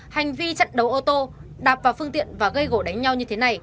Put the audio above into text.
hành vi chặn đấu ô tô đạp vào phương tiện và gây gỗ đánh nhau như thế này